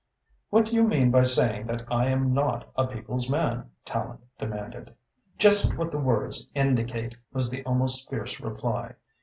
"What do you mean by saying that I am not a people's man?" Tallente demanded. "Just what the words indicate," was the almost fierce reply.